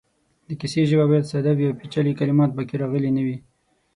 د کیسې ژبه باید ساده وي او پېچلې کلمات پکې راغلې نه وي.